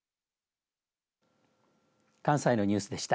関西のニュースでした。